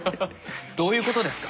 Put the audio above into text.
どういうことですか？